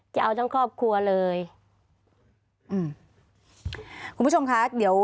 จะเอาทั้งครอบครัวเลย